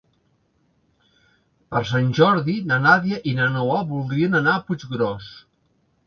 Per Sant Jordi na Nàdia i na Noa voldrien anar a Puiggròs.